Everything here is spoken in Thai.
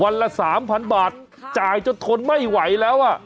ละ๓๐๐บาทจ่ายจนทนไม่ไหวแล้วอ่ะ